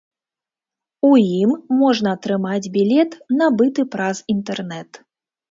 У ім можна атрымаць білет, набыты праз інтэрнэт.